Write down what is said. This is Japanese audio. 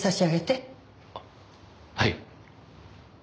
あっはい。